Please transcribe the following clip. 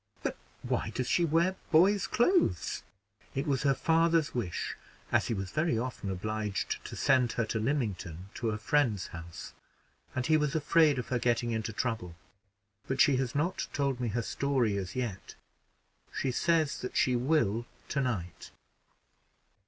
"But why does she wear boys' clothes?" "It was her father's wish, as he was very often obliged to send her to Lymington to a friend's house, and he was afraid of her getting into trouble; but she has not told me her story as yet she says that she will to night."